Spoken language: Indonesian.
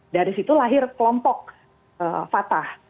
dari situ lahir kelompok fatah